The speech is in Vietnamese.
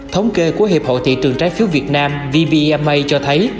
thống kê của hiệp hội thị trường trái phiếu việt nam vbma cho thấy